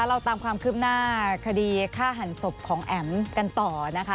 เราตามความคืบหน้าคดีฆ่าหันศพของแอ๋มกันต่อนะคะ